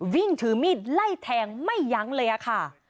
วิ่งถือมีดไล่แทงไม่ยั้งเลยค่ะ